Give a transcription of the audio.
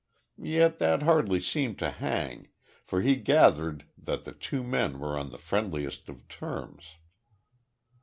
Yet that hardly seemed to hang, for he gathered that the two men were on the friendliest of terms.